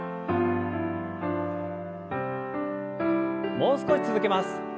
もう少し続けます。